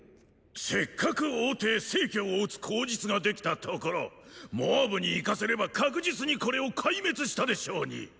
せっかく王弟成を討つ口実ができたところ蒙武に行かせれば確実にこれを壊滅したでしょうに！